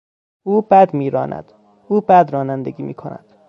او بد میراند، او بد رانندگی میکند.